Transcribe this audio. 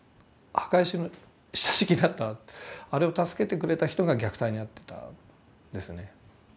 墓石の下敷きになったあれを助けてくれた人が虐待に遭ってたんですね。